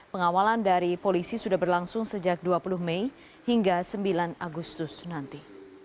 pengawalan dari polisi sudah berlangsung sejak dua puluh mei hingga sembilan agustus nanti